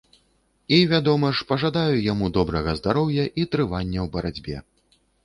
І вядома ж, пажадаю, яму добрага здароўя і трывання ў барацьбе.